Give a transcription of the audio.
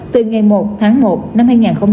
từ ngày một tháng một năm hai nghìn hai mươi